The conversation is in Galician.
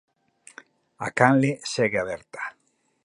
A canle segue aberta.